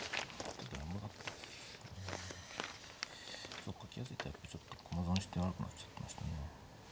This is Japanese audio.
そうか気が付いたらちょっと駒損して悪くなっちゃってましたね。